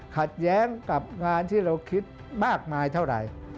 ขัดแย้งกับงานที่เราคิดมากมายเท่าไหร่